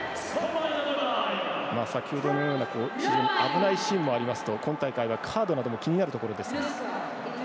先ほどのような非常に危ないシーンもありますと今大会はカードなども気になるところですが。